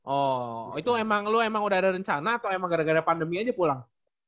oh itu emang lo emang udah ada rencana atau emang gara gara pandemi aja pulang